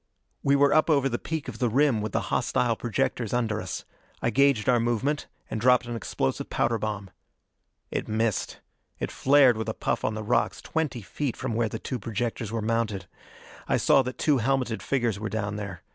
We were up over the peak of the rim with the hostile projectors under us. I gauged our movement, and dropped an explosive powder bomb. It missed. It flared with a puff on the rocks, twenty feet from where the two projectors were mounted. I saw that two helmeted figures were down there.